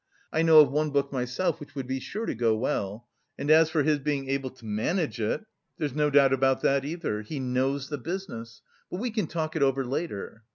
I know of one book myself which would be sure to go well. And as for his being able to manage it, there's no doubt about that either. He knows the business.... But we can talk it over later...."